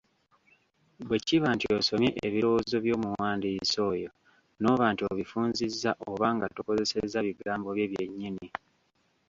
Bwe kiba nti osomye ebirowoozo by’omuwandiisi oyo n'oba nti obifunzizza oba nga tokozesezza bigambo bye byennyini.